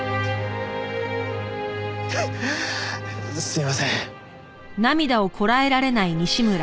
すいません。